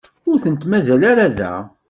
Ur tent-mazal ara da.